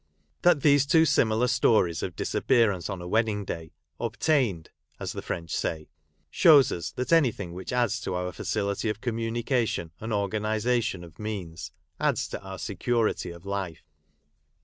That these two similar stories of disap pearance on a wedding day " obtained," as the French say, shows us that anything which adds to our facility of comnrunication and organisation of means, adds to our security of life.